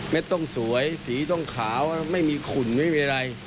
ต้องสวยสีต้องขาวไม่มีขุ่นไม่มีอะไร